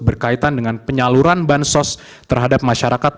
berkaitan dengan penyaluran ban sos terhadap masyarakat